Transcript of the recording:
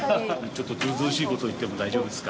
ちょっとずうずうしいこと言っても大丈夫ですか？